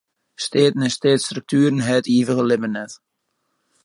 Steaten en steatsstruktueren hawwe it ivige libben net.